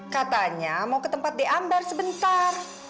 katanya mau ke tempat deambar sebentar